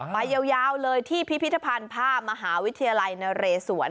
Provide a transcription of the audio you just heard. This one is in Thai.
ยาวเลยที่พิพิธภัณฑ์ภาพมหาวิทยาลัยนเรศวร